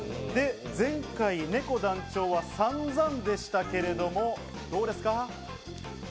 前回ねこ団長はさんざんでしたけれどもどうですか？